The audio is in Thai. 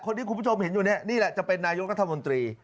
คนนี้คุณผู้ชมเห็นอยู่นี่แหละนี่แหละจะเป็นนายกรรธมนตรี